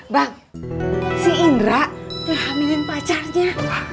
bang si indra kehamingin pacarnya